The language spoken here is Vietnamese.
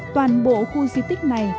toàn bộ khu di tích này